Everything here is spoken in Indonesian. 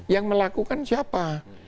yang melakukan siapa